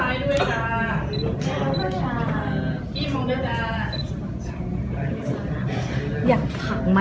อันนี้ก็มองดูนะคะ